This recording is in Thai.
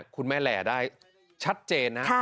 คุณแม่แหล่ได้ชัดเจนนะ